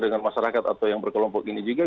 dengan masyarakat atau yang berkelompok ini juga